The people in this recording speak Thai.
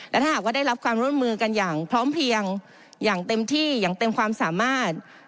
และถ้าหากว่าได้รับความร่วมมือกันอย่างพร้อมเพียงอย่างเต็มที่อย่างเต็มความสามารถ